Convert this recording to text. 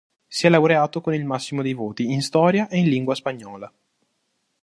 Si è laureato con il massimo dei voti in storia e in lingua spagnola.